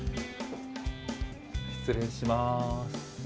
失礼します。